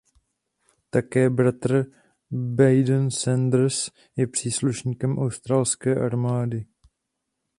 Také bratr Baden Sanders je příslušníkem australské armády.